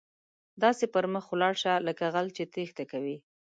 داسې پر مخ ولاړ شه، لکه غل چې ټیښته کوي.